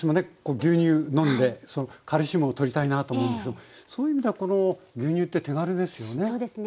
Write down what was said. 牛乳飲んでカルシウムを取りたいなと思うんですけどそういう意味ではこの牛乳って手軽ですよね。